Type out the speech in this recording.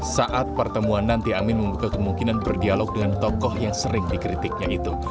saat pertemuan nanti amin membuka kemungkinan berdialog dengan tokoh yang sering dikritiknya itu